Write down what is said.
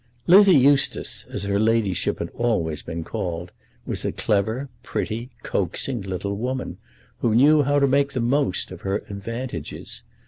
Lizzie Eustace, as her ladyship had always been called, was a clever, pretty, coaxing little woman, who knew how to make the most of her advantages.